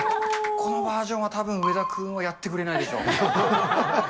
このバージョンはたぶん、上田君はやってくれないでしょう。